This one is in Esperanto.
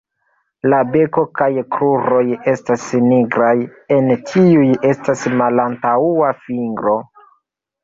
La beko kaj kruroj estas nigraj; en tiuj estas malantaŭa fingro.